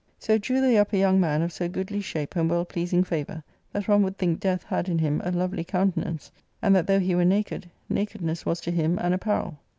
So drew they up a young man of So goodly shape and well pleasing favour that one would think death had in him aA lovely countenance^ and that^ though he were naked, naked / ness was to him an apparel.